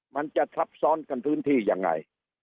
มันจะซับซ้อนกันพื้นที่ยังไง